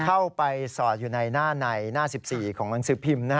เข้าไปสอดอยู่ในหน้าในหน้า๑๔ของหนังสือพิมพ์